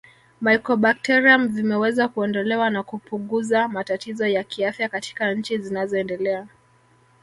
Mycobacterium vimeweza kuondolewa na kupuguza matatizo ya kiafya katika nchi zinazoendelea